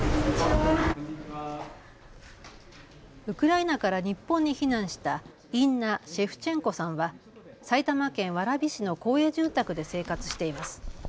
ウクライナから日本に避難したインナ・シェフチェンコさんは埼玉県蕨市の公営住宅で生活しています。